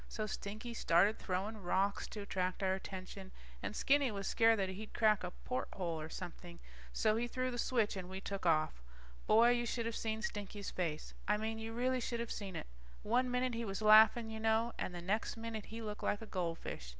So Stinky started throwing rocks to attract our attention, and Skinny was scared that he'd crack a porthole or something, so he threw the switch and we took off. Boy, you should of seen Stinky's face. I mean you really should of seen it. One minute he was laughing you know, and the next minute he looked like a goldfish.